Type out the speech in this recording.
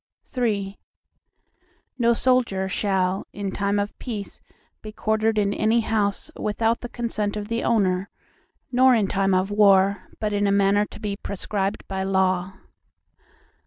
III No soldier shall, in time of peace be quartered in any house, without the consent of the owner, nor in time of war, but in a manner to be prescribed by law.